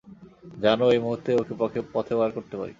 জান এই মুহূর্তেই ওকে পথে বার করতে পারি?